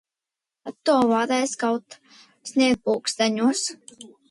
Kad to varēs. Kaut sniegpulksteņos.